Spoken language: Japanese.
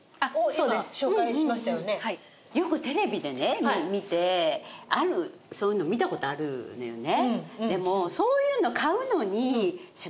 よくテレビでね見てそういうの見た事あるのよね。